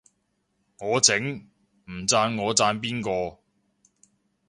我整，唔讚我讚邊個